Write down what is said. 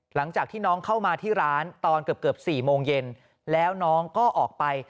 หลังจากที่น้องเข้ามาที่ร้านตอนเกือบ๔โมงเย็นแล้วน้องก็ออกไป